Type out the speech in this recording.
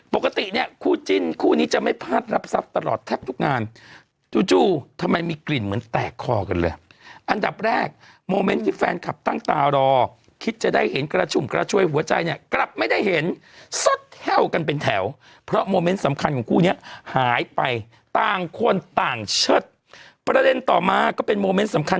ปกติเนี่ยคู่จิ้นคู่นี้จะไม่พลาดรับทรัพย์ตลอดแทบทุกงานจู่จู่ทำไมมีกลิ่นเหมือนแตกคอกันเลยอันดับแรกโมเมนต์ที่แฟนคลับตั้งตารอคิดจะได้เห็นกระชุ่มกระชวยหัวใจเนี่ยกลับไม่ได้เห็นสดแห้วกันเป็นแถวเพราะโมเมนต์สำคัญของคู่เนี้ยหายไปต่างคนต่างเชิดประเด็นต่อมาก็เป็นโมเมนต์สำคัญ